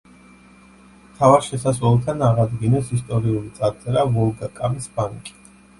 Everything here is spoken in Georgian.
მთავარ შესასვლელთან აღადგინეს ისტორიული წარწერა „ვოლგა-კამის ბანკი“.